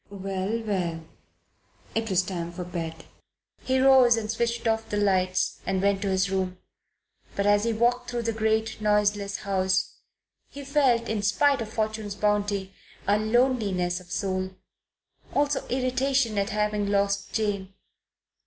Well, well! It was time for bed. He rose and switched off the lights and went to his room. But as he walked through the great, noiseless house, he felt, in spite of Fortune's bounty, a loneliness of soul; also irritation at having lost Jane.